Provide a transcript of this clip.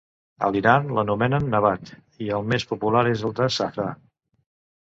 A l'Iran l'anomenen "nabat", i el més popular és el de safrà.